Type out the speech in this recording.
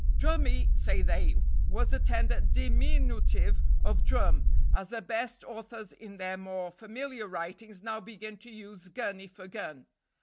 Drummy, say they, was a tender diminutive of drum, as the best authors in their more familiar writings now begin to use gunny for gun.